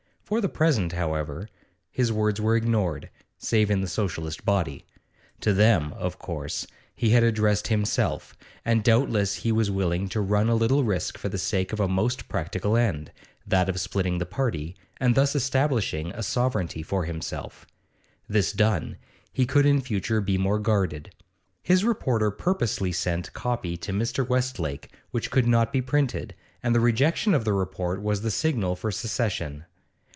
For the present, however, his words were ignored, save in the Socialist body. To them, of course, he had addressed himself, and doubtless he was willing to run a little risk for the sake of a most practical end, that of splitting the party, and thus establishing a sovereignty for himself; this done, he could in future be more guarded. His reporter purposely sent 'copy' to Mr. Westlake which could not be printed, and the rejection of the report was the signal for secession.